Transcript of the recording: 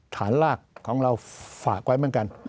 ฐานรากของเราฝากไว้เหมือนกัน